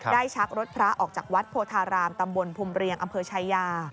ชักรถพระออกจากวัดโพธารามตำบลภูมิเรียงอำเภอชายา